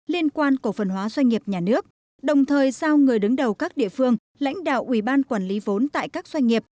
liên quan cổ phần hóa doanh nghiệp nhà nước đồng thời giao người đứng đầu các địa phương lãnh đạo ủy ban quản lý vốn tại các doanh nghiệp